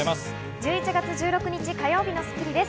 １１月１６日、火曜日の『スッキリ』です。